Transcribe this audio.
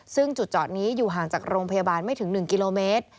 ซึ่งจุดจอดนี้อยู่ห่างจากโรงพยาบาลไม่ถึง๑กิโลเมตร